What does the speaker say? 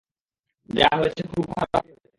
যা হয়েছে, খুব খারাপই হয়েছে।